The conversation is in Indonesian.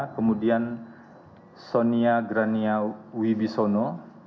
kemudian sonia grania wibisono